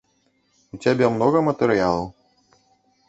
У цябе многа матэрыялаў?